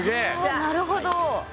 あなるほど。